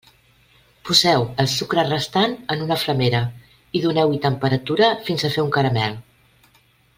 Poseu el sucre restant en una flamera i doneu-hi temperatura fins a fer un caramel.